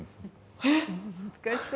えっ。